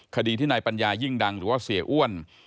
คดีที่นายปัญญายิ่งดังหรือว่าเสียอ้วน